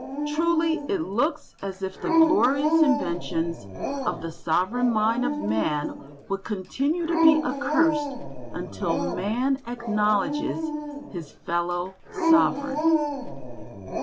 Truly it looks as if the glorious inventions of the sovereign mind of man would continue to be accursed until man acknowledges his fellow sovereign.